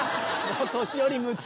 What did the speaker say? お年寄り夢中。